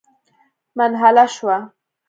منحله شوه.